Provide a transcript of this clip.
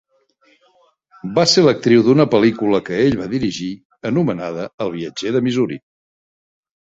Va ser l'actriu d'una pel·lícula que ell va dirigir, anomenada "El viatger de Missouri".